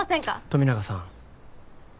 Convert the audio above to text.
富永さん